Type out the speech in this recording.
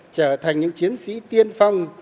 trở thành những chiến sĩ tiên phong